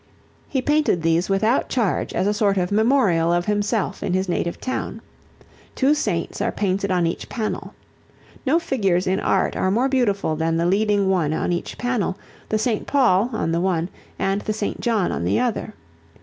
He painted these without charge as a sort of memorial of himself in his native town. Two saints are painted on each panel. No figures in art are more beautiful than the leading one on each panel, the St. Paul on the one and the St. John on the other.